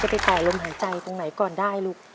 ไปต่อลมหายใจตรงไหนก่อนได้ลูก